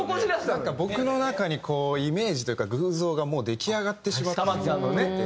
なんか僕の中にこうイメージというか偶像がもう出来上がってしまってて。